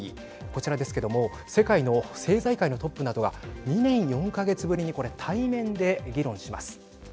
こちらですけども世界の政財界のトップなどは２年４か月ぶりにこれ対面で議論します。